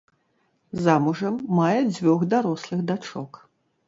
Замужам, мае дзвюх дарослых дачок.